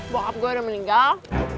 bokap gue udah meninggal